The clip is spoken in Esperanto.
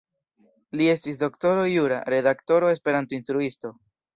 Li estis doktoro jura, redaktoro, Esperanto-instruisto.